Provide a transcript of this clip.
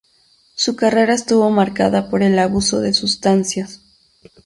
Su carrera estuvo marcada por el abuso de sustancias.